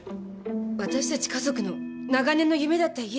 私たち家族の長年の夢だった家です。